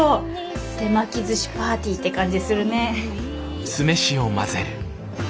手巻き寿司パーティーって感じするね。